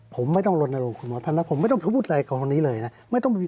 ผมไม่ต้องลดนรงคุณหมอธรรมนะครับผมไม่ต้องเขาพูดอะไรกับของนี้เลยนะ